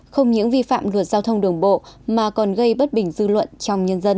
không những vi phạm luật giao thông đường bộ mà còn gây bất bình dư luận trong nhân dân